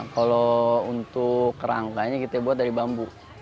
kalo untuk rangkanya kita buat dari bambu